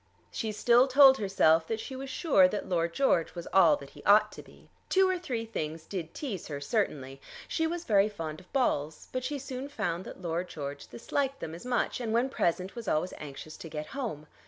She still told herself that she was sure that Lord George was all that he ought to be. Two or three things did tease her certainly. She was very fond of balls, but she soon found that Lord George disliked them as much, and when present was always anxious to get home.